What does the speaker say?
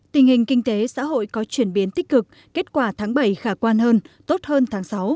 tình hình kinh tế xã hội có chuyển biến tích cực kết quả tháng bảy khả quan hơn tốt hơn tháng sáu